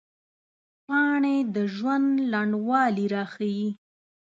پاڼې د ژوند لنډوالي راښيي